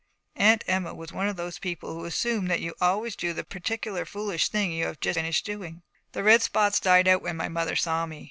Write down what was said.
Aunt Emma was one of those people who assume that you always do the particular foolish thing you have just finished doing. The red spots died out when my mother saw me.